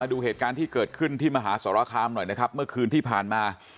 ดูเหตุการณ์ที่เกิดขึ้นที่มหาสรคามหน่อยนะครับเมื่อคืนที่ผ่านมา